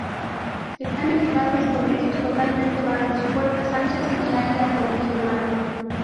Están equipados con pisos totalmente bajos, puertas anchas y aire acondicionado.